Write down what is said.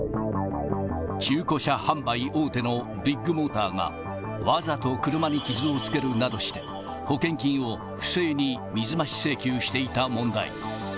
中古車販売大手のビッグモーターが、わざと車に傷をつけるなどして、保険金を不正に水増し請求していた問題。